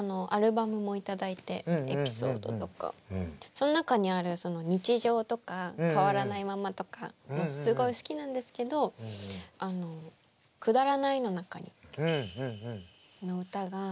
その中にある「日常」とか「変わらないまま」とかもすごい好きなんですけどあの「くだらないの中に」の歌が。